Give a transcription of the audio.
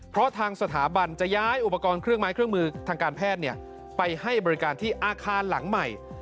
เพราะทางสถาบันจะย้ายอุปกรณ์เครื่องไม้เครื่องมือทางการแพทย์ไปให้บริการที่อาคารหลังใหม่